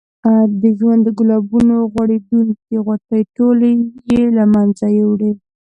د ژوند د ګلابونو غوړېدونکې غوټۍ ټولې یې له منځه یوړې.